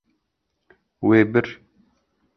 Wê bir.